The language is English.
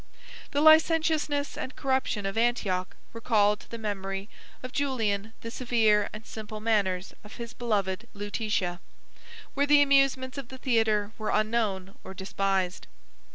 The licentiousness and corruption of Antioch recalled to the memory of Julian the severe and simple manners of his beloved Lutetia; 93 where the amusements of the theatre were unknown or despised.